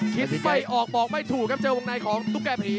คิดไม่ออกบอกไม่ถูกครับเจอวงในของตุ๊กแก่ผี